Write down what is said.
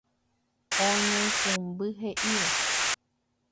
Oñeikũmby he'íva.